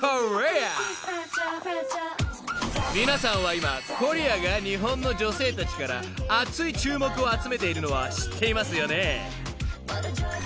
［皆さんは今コリアが日本の女性たちからアツい注目を集めているのは知っていますよね］